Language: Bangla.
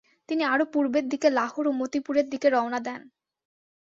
তিনি আরো পূর্বের দিকে লাহোর ও মতিপুরের দিকে রওনা দেন।